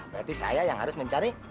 berarti saya yang harus mencari